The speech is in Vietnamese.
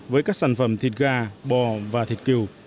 với các sản phẩm thịt gà bò và thịt cừu